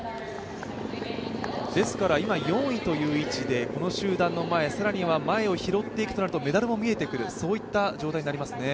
ですから４位という位置でこの集団の前、更には前を拾っていくとなると、メダルも見えてくるといった状態になりますね。